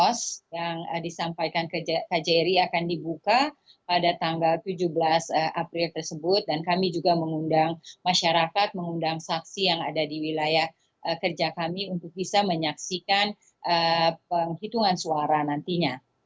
pos yang disampaikan ke kjri akan dibuka pada tanggal tujuh belas april tersebut dan kami juga mengundang masyarakat mengundang saksi yang ada di wilayah kerja kami untuk bisa menyaksikan penghitungan suara nantinya